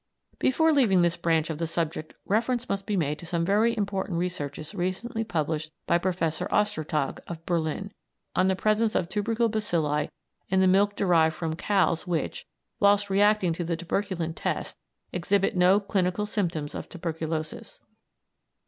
Before leaving this branch of the subject reference must be made to some very important researches recently published by Professor Ostertag, of Berlin, on the presence of tubercle bacilli in the milk derived from cows which, whilst reacting to the tuberculin test, exhibit no clinical symptoms of tuberculosis.